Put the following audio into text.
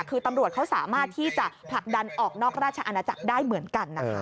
คือตำรวจเขาสามารถที่จะผลักดันออกนอกราชอาณาจักรได้เหมือนกันนะคะ